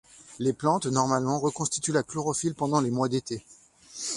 Les plantes normalement reconstituent la chlorophylle pendant les mois d'été.